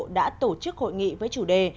đã tổ chức hội nghị với chủ đề